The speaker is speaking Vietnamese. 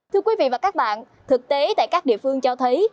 thưa quý vị và các bạn thực tế tại các địa phương cho thấy